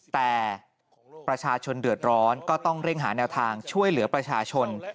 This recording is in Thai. แต่ประชาชนเดือดร้อนก็ต้องเร่งหาแนวทางช่วยเหลือประชาชน